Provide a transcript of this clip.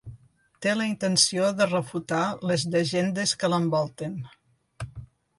Té la intenció de refutar les llegendes que l'envolten.